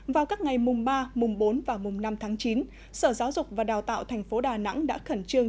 vào các ngày mùng ba mùng bốn và mùng năm tháng chín sở giáo dục và đào tạo tp đà nẵng đã khẩn trương